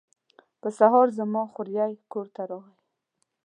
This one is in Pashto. په سهار زما خوریی کور ته راغی.